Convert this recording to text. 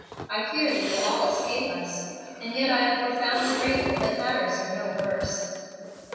I fear they will all escape us, and yet I am profoundly grateful that matters are no worse."